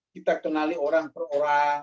kita kenali orang per orang